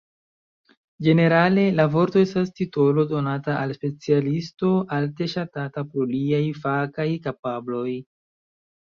Ĝenerale la vorto estas titolo donata al specialisto alte ŝatata pro liaj fakaj kapabloj.